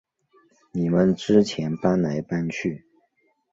你们之前搬来搬去